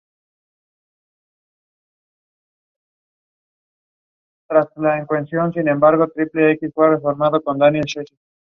The league spans primarily the eastern and central portions of the Midwestern United States.